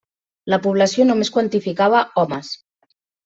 La població només quantificava homes.